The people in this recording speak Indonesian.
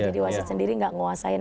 jadi wasit sendiri nggak nguasain